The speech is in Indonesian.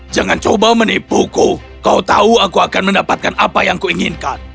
jangan coba menipuku kau tahu aku akan mendapatkan apa yang kuinginkan